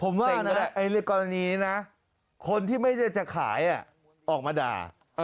ผมว่าเนี้ยกรณีนี้น่ะคนที่ไม่ได้จะขายอ่ะออกมาด่าเออ